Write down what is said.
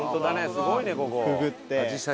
すごいねここ。